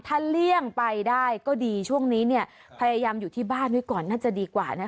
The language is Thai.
ถ้าเลี่ยงไปได้ก็ดีช่วงนี้เนี่ยพยายามอยู่ที่บ้านไว้ก่อนน่าจะดีกว่านะ